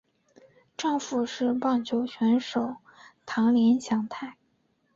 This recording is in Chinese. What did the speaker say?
丈夫是棒球选手堂林翔太。